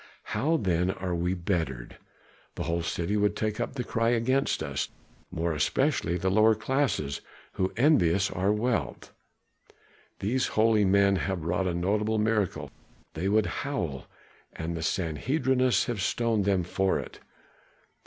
"How then are we bettered? The whole city would take up the cry against us, more especially the lower classes who envy us our wealth. 'These holy men have wrought a notable miracle,' they would howl, 'and the Sanhedrists have stoned them for it.